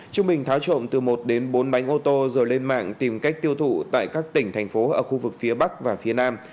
trung bình tháo trộm từ một đến bốn bánh ô tô rồi lên mạng tìm cách tiêu thụ tại các tỉnh thành phố ở khu vực phía bắc và phía nam